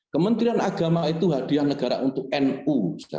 kementerian agama itu hadiah negara untuk nu